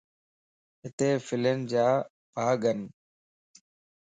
ھتي ڦلين جا ڀاڳن